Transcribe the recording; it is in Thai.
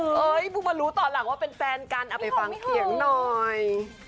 เฮ้ยเพิ่งมารู้ตอนหลังว่าเป็นแฟนกันเอาไปฟังเสียงหน่อย